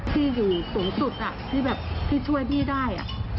พี่อยู่สูงสุดพี่ช่วยพี่ได้